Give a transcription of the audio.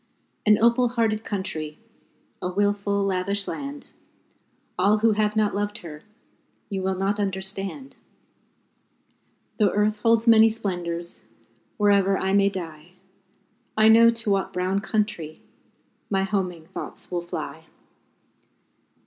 An opal hearted country, A wilful, lavish land All who have not loved her, You will not understand Though earth holds many splendors, Wherever I may die, I know to what brown country My homing thoughts will fly.